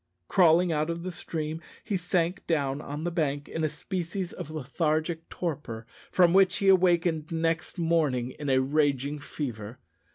Crawling out of the stream, he sank down on the bank in a species of lethargic torpor, from which, he awakened next morning in a raging fever.